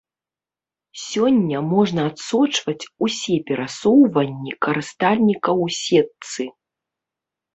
Сёння можна адсочваць усе перасоўванні карыстальніка ў сетцы.